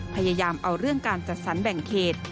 พยายามเอาเรื่องการจัดสรรแบ่งเขต